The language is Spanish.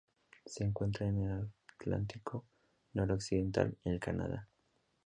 Se encuentra en el Atlántico noroccidental: el Canadá.